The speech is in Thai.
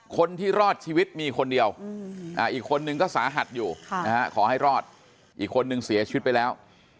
คนที่รอดชีวิตมีคนเดียวอีกคนนึงก็สาหัสอยู่ขอให้รอดอีกคนนึงเสียชีวิตไปแล้ว